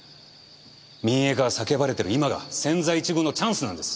民営化が叫ばれてる今が千載一遇のチャンスなんです。